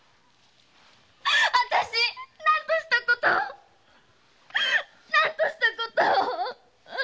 あたし何としたことを何としたことを！